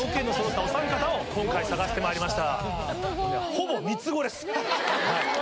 ほぼ三つ子です。